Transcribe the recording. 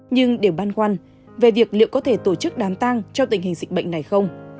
nhưng đều băn khoăn về việc liệu có thể tổ chức đám tăng trong tình hình dịch bệnh này không